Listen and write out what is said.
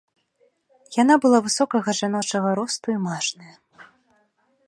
Яна была высокага жаночага росту і мажная.